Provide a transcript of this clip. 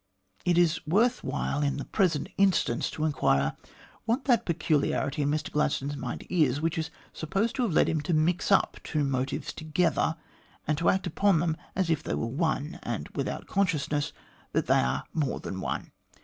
It is worth while, in the present instance, to inquire what that peculiarity in Mr Gladstone's mind is, which is supposed to have led him to mix up two motives together, and to act upon them as if they were one, and without consciousness that they are more than one.